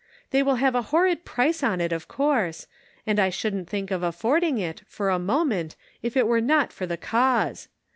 They will have a horrid price on it, of course ; and I shouldn't think of afford ing it, for a moment, if it were not for the cause.